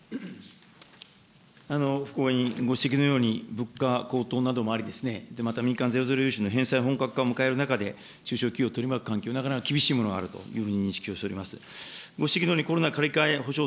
福岡君ご指摘のように、物価高騰などもあり、また、民間ゼロゼロ融資の返済本格化を迎える中で、中小企業を取り巻く環境は、なかなか厳しい状況にあると思います。